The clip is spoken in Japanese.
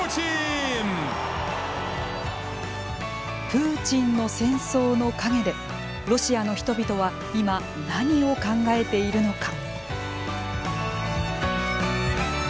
プーチンの戦争の影でロシアの人々は今何を考えているのか。